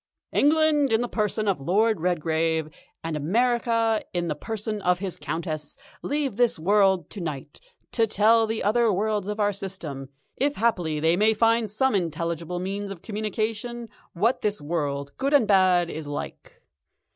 "England in the person of Lord Redgrave, and America in the person of his Countess, leave this world to night to tell the other worlds of our system, if haply they may find some intelligible means of communication, what this world, good and bad, is like.